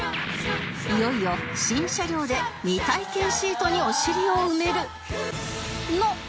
いよいよ新車両で未体験シートにお尻を埋める！